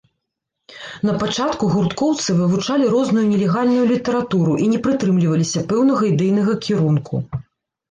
Напачатку гурткоўцы вывучалі розную нелегальную літаратуру і не прытрымліваліся пэўнага ідэйнага кірунку.